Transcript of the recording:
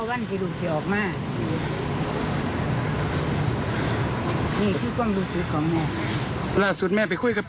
สวันตั่งตกเพี้ยวกาแตากเปียกแม่